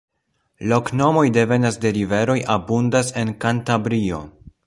Loknomoj devenaj de riveroj abundas en Kantabrio.